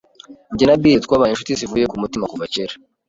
Jye na Bill twabaye inshuti zivuye ku mutima kuva kera.